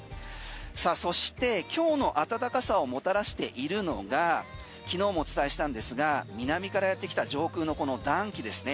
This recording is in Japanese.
さあそして今日の暖かさをもたらしているのが昨日もお伝えしたんですが南からやってきた上空のこの暖気ですね。